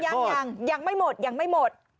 ยังยังไม่หมดยังไม่หมด